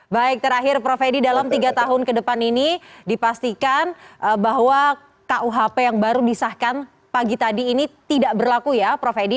baik terakhir prof edi dalam tiga tahun ke depan ini dipastikan bahwa kuhp yang baru disahkan pagi tadi ini tidak berlaku ya prof edi